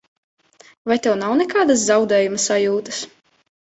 Vai tev nav nekādas zaudējuma sajūtas?